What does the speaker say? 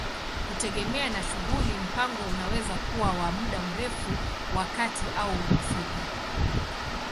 Kutegemea na shughuli, mpango unaweza kuwa wa muda mrefu, wa kati au mfupi.